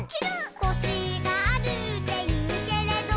「コシがあるっていうけれど」